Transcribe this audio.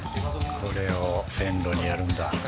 これを線路にやるんだ。